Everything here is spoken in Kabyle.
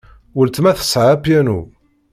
Weltma tesɛa apyanu.